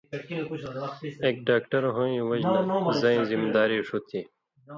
اېک ڈاکٹر ہویں وجہۡ نہ زَیں ذمواری ݜُو تھی